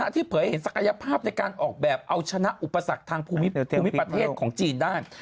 เผยเห็นศักยภาพในการออกแบบเอาชนะอุปสรรคทางภูมิประเทศของจีนได้